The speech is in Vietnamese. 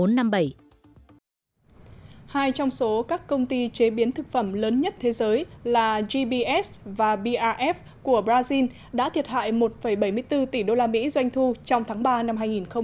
hai trong số các công ty chế biến thực phẩm lớn nhất thế giới là gbs và baf của brazil đã thiệt hại một bảy mươi bốn tỷ usd doanh thu trong tháng ba năm hai nghìn hai mươi